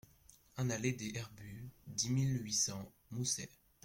un allée des Herbues, dix mille huit cents Moussey